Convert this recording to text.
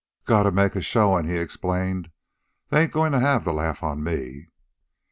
"Gotta make a showin'," he explained. "They ain't goin' to have the laugh on me."